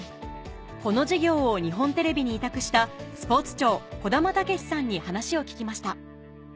この事業を日本テレビに委託したスポーツ庁児玉健さんに話を聞きました